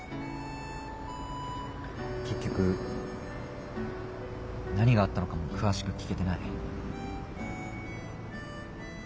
結局何があったのかも詳しく聞けてない。